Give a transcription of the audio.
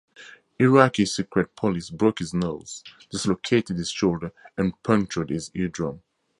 Iraqi secret police broke his nose, dislocated his shoulder and punctured his eardrum.